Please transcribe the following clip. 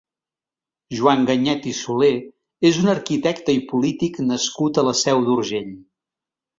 Joan Ganyet i Solé és un arquitecte i polític nascut a la Seu d'Urgell.